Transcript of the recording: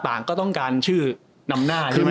ต่างก็ต้องการชื่อนำหน้า